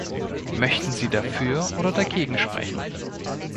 Möchten Sie dafür oder dagegen sprechen?